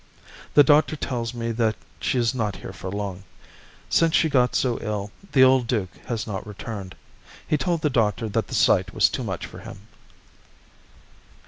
The doctor tells me that she is not here for long. Since she got so ill the old duke has not returned. He told the doctor that the sight was too much for him.